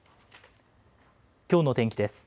きょうの天気です。